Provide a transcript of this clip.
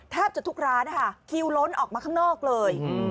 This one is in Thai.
แทบจะทุกร้านนะคะคิวล้นออกมาข้างนอกเลย